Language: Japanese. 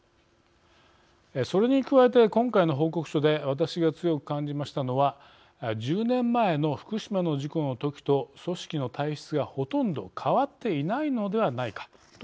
それに加えて今回の報告書で私が強く感じましたのは１０年前の福島の事故のときと組織の体質がほとんど変わっていないのではないかという点です。